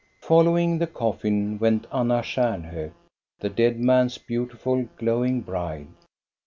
Following the coffin, went Anna Stjarnhok, the dead man's beautiful, glowing bride.